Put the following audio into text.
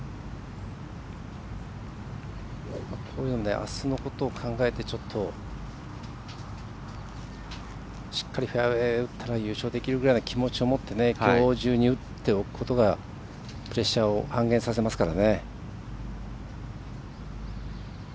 あすのことを考えてちょっと、しっかりフェアウエー打ったら優勝できるぐらいの気持ちを持ってきょう中に打っておくことがプレッシャーを半減させますから。